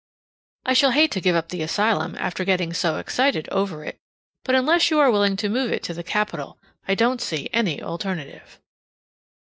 I shall hate to give up the asylum after getting so excited over it, but unless you are willing to move it to the capital, I don't see any alternative.